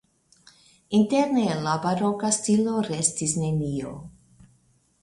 Interne el la baroka stilo restis nenio.